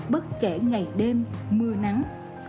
bất kể ngày đêm mưa nắng